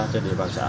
trên địa bàn xã